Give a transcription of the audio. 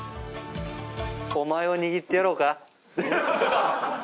お前を握ってやろうか？